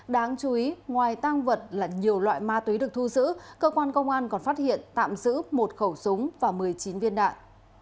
đáng chú ý ngoài tang vật là nhiều loại ma túy được thu giữ cơ quan công an còn phát hiện tạm giữ một khẩu súng và một mươi chín viên đạn